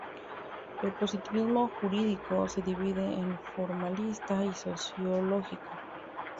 El positivismo jurídico se divide en formalista y sociológico.